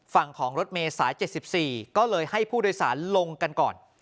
ฝั่งของรถเมย์สาย๗๔ก็เลยให้ผู้โดยสารลงกันก่อน